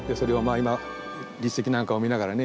今立石なんかを見ながらね